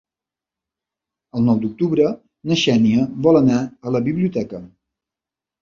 El nou d'octubre na Xènia vol anar a la biblioteca.